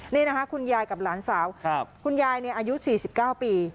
นี่นะคะคุณยายกับหลานสาวคุณยายอายุ๔๙ปี